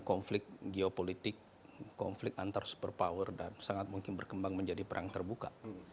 konflik geopolitik konflik antar super power dan sangat mungkin berkembang menjadi perang terbuka